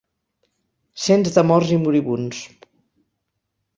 Cents de morts i moribunds.